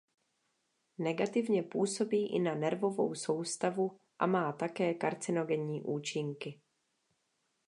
Negativně působí i na nervovou soustavu a má také karcinogenní účinky.